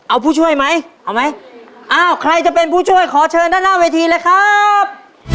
เอาผู้ช่วยไหมเอาไหมอ้าวใครจะเป็นผู้ช่วยขอเชิญด้านหน้าเวทีเลยครับ